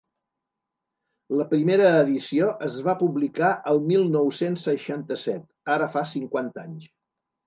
La primera edició es va publicar el mil nou-cents seixanta-set, ara fa cinquanta anys.